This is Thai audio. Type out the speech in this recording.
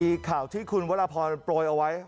ปีข่าวที่คุณวัลพอนปล่อยเอาไว้